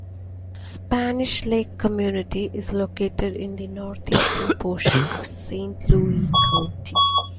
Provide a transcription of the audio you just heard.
The Spanish Lake Community is located in the northeastern portion of Saint Louis County.